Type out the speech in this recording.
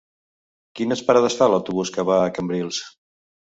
Quines parades fa l'autobús que va a Cambrils?